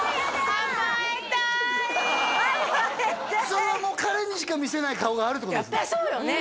それはもう彼にしか見せない顔があるってことですね